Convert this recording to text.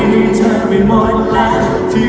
ให้เธอไม่หมดแล้ว